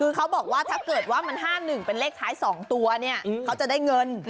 คือเขาบอกว่าถ้าเกิดว่ามัน๕๑เป็นเลขท้าย๒ตัวเนี่ยเขาจะได้เงิน